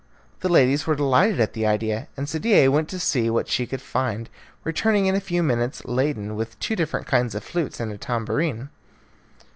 The ladies were delighted at the idea, and Sadie went to see what she could find, returning in a few moments laden with two different kinds of flutes and a tambourine.